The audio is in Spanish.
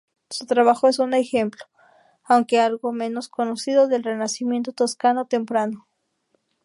Su trabajo es un ejemplo, aunque algo menos conocido, del renacimiento toscano temprano.